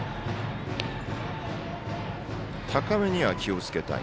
高めには気をつけたい。